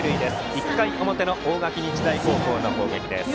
１回の表、大垣日大の攻撃です。